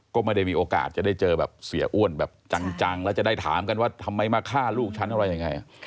ก็ไม่ได้มีโอกาสจะได้เจอแบบเสียอ้วนแบบจังแล้วจะได้ถามกันว่าทำไมมาฆ่าลูกฉันอะไรยังไง